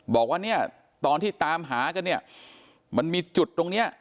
บอกว่าตอนที่ตามหาก็มันมีจุดตรงนี้